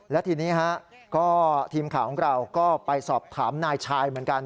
และทีนี้ก็ทีมข่าวของเราก็ไปสอบถามนายชายเหมือนกัน